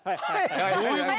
どういうこと？